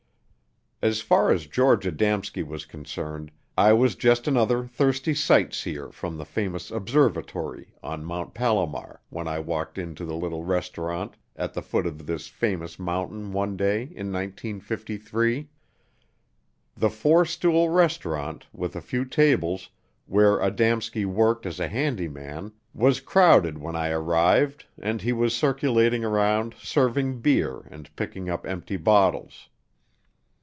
As far as George Adamski was concerned I was just another thirsty sight seer from the famous observatory on Mt. Palomar when I walked into the little restaurant at the foot of this famous mountain one day in 1953. The four stool restaurant, with a few tables, where Adamski worked as a handyman, was crowded when I arrived and he was circulating around serving beer and picking up empty bottles.